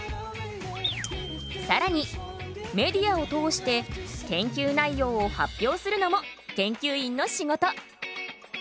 さらにメディアを通して研究内容を発表するのも研究員の仕事。